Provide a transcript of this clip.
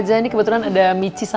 jangan hier untuk anaknya juga